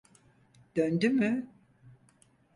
Döndü mü?